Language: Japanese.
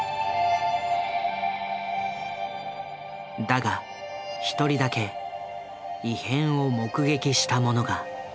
だが１人だけ異変を目撃した者が。